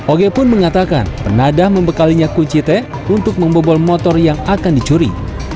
oge pun mengatakan penadah membekalinya kucite untuk membobol motor yang akan dicuri